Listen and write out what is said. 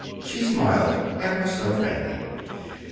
She smiled ever so faintly.